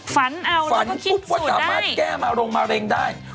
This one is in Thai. ฝนเอาแล้วเข้าคิดสูตรได้๑๐วันฝนให้ครุกว่าแก้มาลงมาเร็งได้